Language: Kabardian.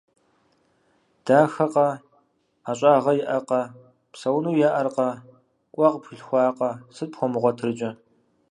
Дахэкъэ, ӏэщӏагъэ иӏэкъэ, псэуну еӏэркъэ, къуэ къыпхуилъхуакъэ. Сыт пхуэмыгъуэтыр иджы?